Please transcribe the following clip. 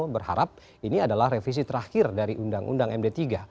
berharap ini adalah revisi terakhir dari undang undang md tiga